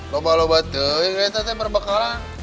loba loba tuh kita berbekalan